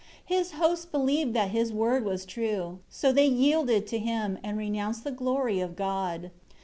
10 His hosts believed that his word was true, so they yielded to him, and renounced the glory of God.